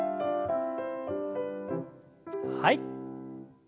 はい。